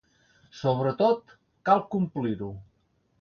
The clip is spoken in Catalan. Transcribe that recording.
Sobretot, cal complir-ho.